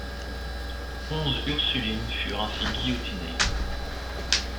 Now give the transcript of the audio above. Onze Ursulines furent ainsi guillotinées.